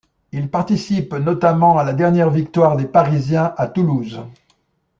Il participe notamment à la dernière victoire des Parisiens à Toulouse.